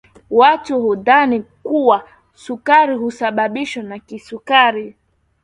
watu hudhani kuwa sukari husababishwa na kisukari